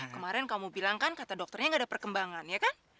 kemarin kamu bilang kan kata dokternya gak ada perkembangan ya kan